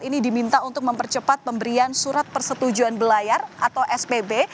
jadi diminta untuk mempercepat pemberian surat persetujuan belayar atau spb